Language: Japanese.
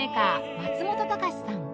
松本隆さん